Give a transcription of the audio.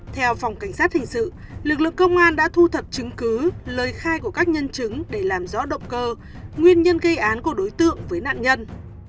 theo phòng cảnh sát hình sự lực lượng công an đã thu thập chứng cứ lời khai của các nhân chứng để làm rõ động cơ nguyên nhân gây án của đối tượng với nạn nhân